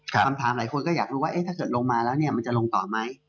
คำถามหลายคนก็อยากรู้ว่าถ้าเกิดลงมาแล้วเนี่ยมันจะลงต่อไหม